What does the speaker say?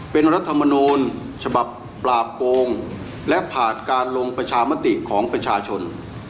เป็นรัฐมนูลฉบับปราบโกงและผ่านการลงประชามติของประชาชน